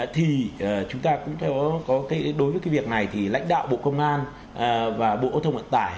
thì chúng ta cũng đối với cái việc này thì lãnh đạo bộ công an và bộ âu thông vận tải